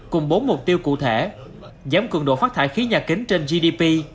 cùng bốn mục tiêu cụ thể giảm cường độ phát thải khí nhà kính trên gdp